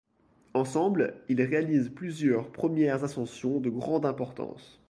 Ensemble, ils réalisent plusieurs premières ascensions de grande importance.